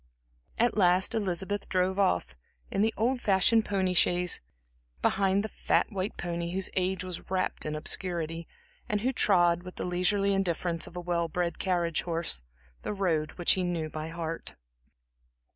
At last Elizabeth drove off, in the old fashioned pony chaise, behind the fat white pony whose age was wrapped in obscurity, and who trod, with the leisurely indifference of a well bred carriage horse, the road which he knew by heart.